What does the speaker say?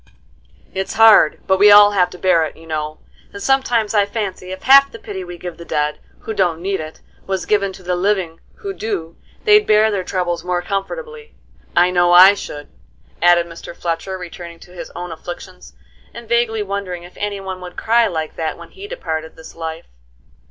"It's hard, but we all have to bear it, you know; and sometimes I fancy if half the pity we give the dead, who don't need it, was given to the living, who do, they'd bear their troubles more comfortably. I know I should," added Mr. Fletcher, returning to his own afflictions, and vaguely wondering if any one would cry like that when he departed this life.